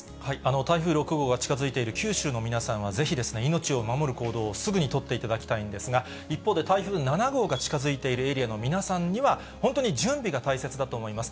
台風６号が近づいている九州の皆さんは、ぜひ、命を守る行動をすぐに取っていただきたいんですが、一方で台風７号が近づいているエリアの皆さんには、本当に準備が大切だと思います。